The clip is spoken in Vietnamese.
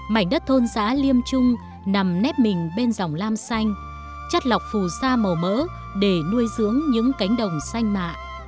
bên dòng dòng nam xanh chất lọc phù sa màu mỡ để nuôi dưỡng những cánh đồng xanh mạ